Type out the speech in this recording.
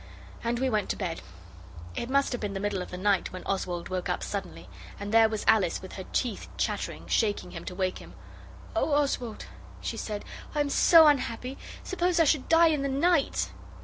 And we went to bed. It must have been the middle of the night when Oswald woke up suddenly, and there was Alice with her teeth chattering, shaking him to wake him. 'Oh, Oswald!' she said, 'I am so unhappy. Suppose I should die in the night!